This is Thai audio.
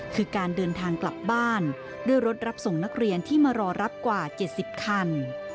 คือการเดินทางกลับบ้านด้วยรถรับส่งนักเรียนที่มารอรับกว่า๗๐คัน